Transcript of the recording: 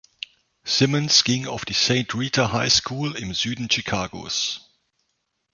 Simmons ging auf die Saint Rita High School im Süden Chicagos.